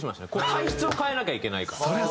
体質を変えなきゃいけないから。